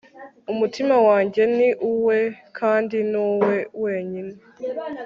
umutima wanjye ni uwe kandi ni uwe wenyine